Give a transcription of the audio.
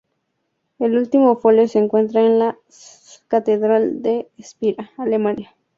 El último folio se encuentra en la Catedral de Espira, Alemania.